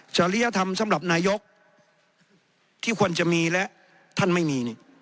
จริยธรรมสำหรับนายกที่ควรจะมีและท่านไม่มี